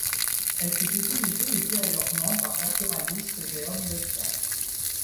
Elle fut utilisée ultérieurement par naturalistes et hommes de science.